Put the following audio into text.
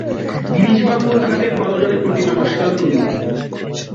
গিরিশবাবুও তাঁহাকে করজোড়ে প্রতিনমস্কার করিলেন।